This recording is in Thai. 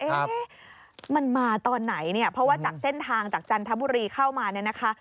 เอ๊ะมันมาตอนไหนเนี่ยเพราะว่าจากเส้นทางจากจันทบุรีเข้ามาเนี่ยนะคะ